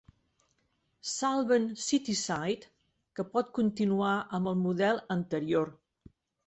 Salven Cityside, que pot continuar amb el model anterior.